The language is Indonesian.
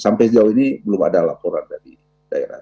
sampai sejauh ini belum ada laporan dari daerah